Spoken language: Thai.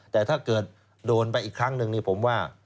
แต่ถ้าเกิดโดนไปอีกครั้งหนึ่งนี่ผมว่า